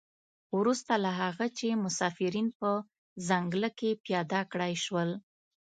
وروسته له هغه چې مسافرین په ځنګله کې پیاده کړای شول.